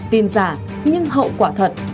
tin giả nhưng hậu quả thật